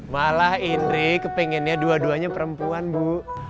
malah indri kepengennya dua duanya perempuan bu